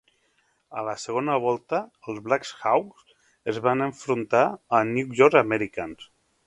A la segona volta, els Black Hawks es van enfrontar als New York Americans.